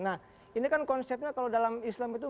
nah ini kan konsepnya kalau dalam islam itu